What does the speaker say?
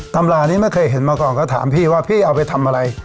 ตำรานี้ไม่เคยเห็นมาก่อนก็ถามพี่ว่าพี่เอาไปทำอะไร